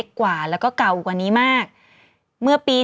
ของท่านวาราศีธานูที่ประกบกับใครรู้ไหมคะ